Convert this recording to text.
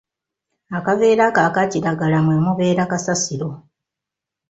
Akaveera ako akakiragala mwe mubeera kasasiro.